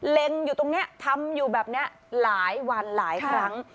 เล็งอยู่ตรงนี้ทำอยู่แบบนี้หลายวันหลายครั้ง